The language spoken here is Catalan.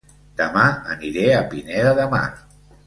Dema aniré a Pineda de Mar